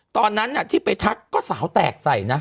ตอนนั้นที่ไปทักก็สาวแตกใส่นะ